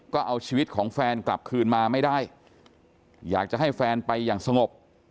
ก็เอาชีวิตของแฟนกลับคืนมาไม่ได้อยากจะให้แฟนไปอย่างสงบ